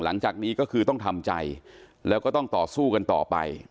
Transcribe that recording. หลังจากนี้ก็คือต้องทำใจแล้วก็ต้องต่อสู้กันต่อไป